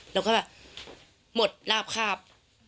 เราก็แบบหมดราบคาบ